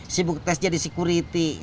sibuk tes jadi security